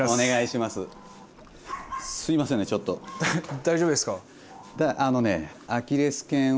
大丈夫ですか？